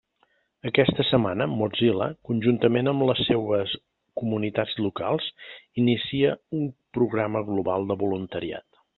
Aquesta setmana Mozilla, conjuntament amb les seves comunitats locals, inicia un programa global de voluntariat.